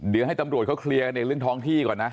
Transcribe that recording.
เดี๋ยวให้ตำรวจเขาเคลียร์กันในเรื่องท้องที่ก่อนนะ